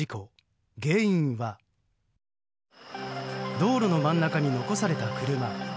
道路の真ん中に残された車。